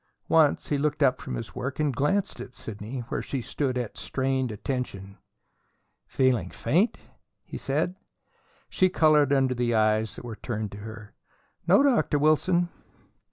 Once he looked up from his work and glanced at Sidney where she stood at strained attention. "Feeling faint?" he said. She colored under the eyes that were turned on her. "No, Dr. Wilson."